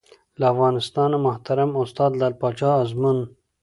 له افغانستانه محترم استاد لعل پاچا ازمون